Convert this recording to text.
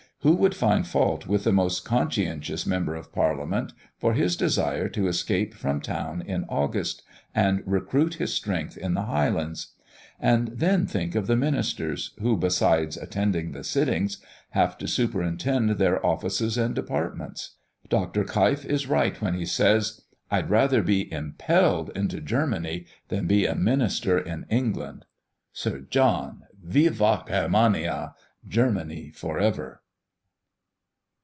Who would find fault with the most conscientious Member of Parliament for his desire to escape from town in August, and recruit his strength in the Highlands? And then think of the Ministers, who, besides attending the sittings, have to superintend their offices and departments. Dr. Keif is right when he says, "I'd rather be impelled into Germany than be a minister in England. Sir John! Vivat Germania! Germany for ever!"